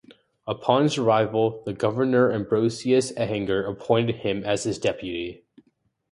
Upon his arrival the governor Ambrosius Ehinger appointed him as his deputy.